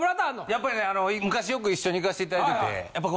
やっぱりねあの昔よく一緒に行かせていただいててやっぱ。